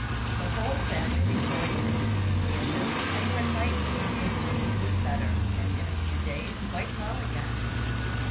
The whole family rejoiced exceedingly at this, and, when night came, Mr. Li was better, and in a few days quite well again.